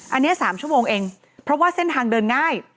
อันนี้๓ชั่วโมงเองเพราะว่าเส้นทางเดินง่าย